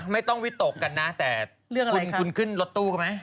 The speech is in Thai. ไม่ต้องวิตกกันนะแต่คุณขึ้นรถตู้เขาไหม